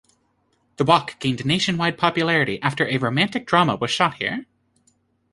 The walk gained nationwide popularity after a romantic drama was shot here.